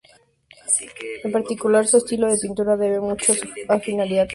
En particular, su estilo de pintura debe mucho a su afinidad con el Zen.